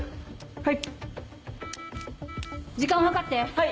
はい。